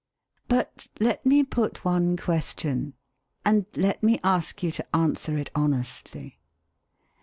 But let me put one question, and let me ask you to answer it honestly.